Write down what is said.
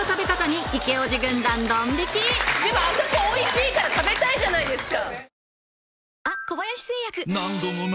でもあそこおいしいから食べたいじゃないですか。